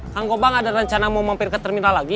kang kobang ada rencana mau mampir ke terminal lagi